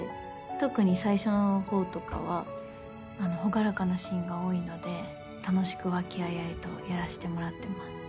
特に最初の方とかは朗らかなシーンが多いので楽しく和気あいあいとやらせてもらってます。